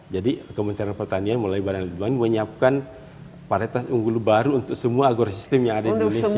jadi kementerian pertanian melalui badan lidungan menyiapkan varietas unggul baru untuk semua agrosistem yang ada di indonesia